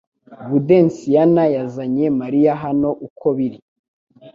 Budensiyana yazanye Mariya hano uko biri